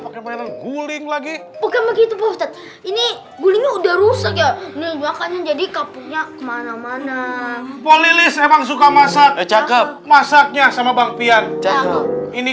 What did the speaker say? kuling lagi ini udah rusak jadi mana mana polilis emang suka masak masaknya sama bangpian ini